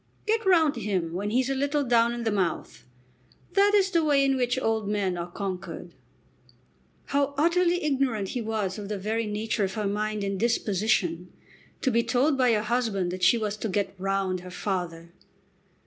"Get round him when he's a little down in the mouth. That is the way in which old men are conquered." How utterly ignorant he was of the very nature of her mind and disposition! To be told by her husband that she was to "get round" her father!